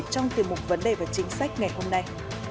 trong tiềm mục vấn đề và chính sách ngày hôm nay